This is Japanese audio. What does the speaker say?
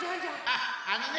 あっあのね